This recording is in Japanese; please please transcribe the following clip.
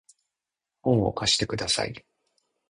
本を貸してください